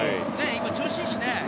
今、調子いいしね。